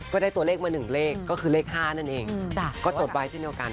ก็ที่ได้ตัวเลขมาหนึ่งเลขเลขห้านั่นเองก็จดไปสามอย่างเดียวกัน